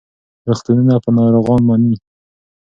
روغتونونه به ناروغان مني.